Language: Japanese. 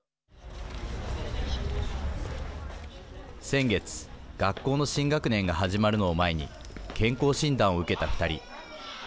先月、学校の新学年が始まるのを前に健康診断を受けた２人。